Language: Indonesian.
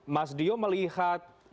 mas dio melihat